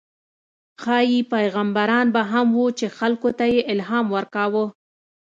ښايي پیغمبران به هم وو، چې خلکو ته یې الهام ورکاوه.